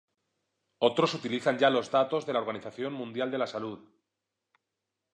Otros utilizan ya los datos de la Organización Mundial de la Salud.